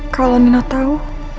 kalau nina tau